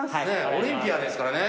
オリンピアンですからね。